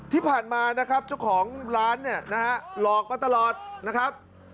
ที่ผ่านมานะครับเจ้าของร้านเนี่ยนะฮะหลอกมาตลอดนะครับ